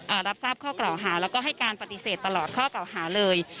รับทราบข้อกล่าวหาแล้วก็ให้การปฏิเสธตลอดข้อเก่าหาเลย